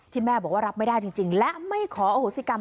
แม่บอกว่ารับไม่ได้จริงและไม่ขออโหสิกรรม